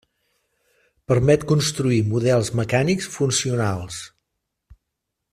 Permet construir models mecànics funcionals.